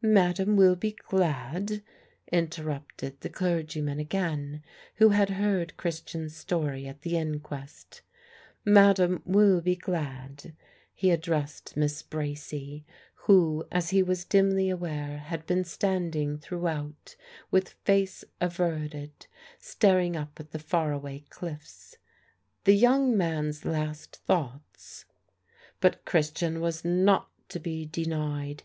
"Madame will be glad," interrupted the clergyman again, who had heard Christian's story at the inquest, "Madame will be glad" he addressed Miss Bracy, who, as he was dimly aware, had been standing throughout with face averted, staring up at the far away cliffs. "The young man's last thoughts " But Christian was not to be denied.